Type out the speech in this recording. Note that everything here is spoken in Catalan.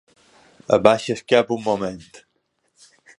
Abaixa el cap un moment.